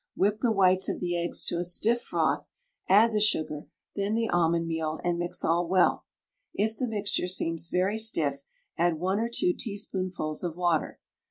Whip the whites of the eggs to a stiff froth, add the sugar, then the almond meal, and mix all well; if the mixture seems very stiff add one or two teaspoonfuls of water.